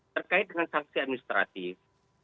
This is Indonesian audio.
terkait dengan sanksi administratif